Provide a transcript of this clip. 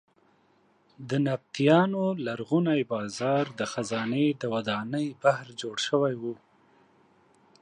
د نبطیانو لرغونی بازار د خزانې د ودانۍ بهر جوړ شوی و.